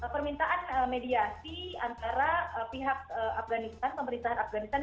permintaan mediasi antara pihak afghanistan pemerintahan afghanistan